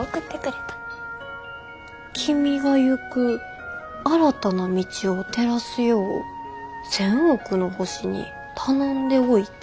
「君が行く新たな道を照らすよう千億の星に頼んでおいた」。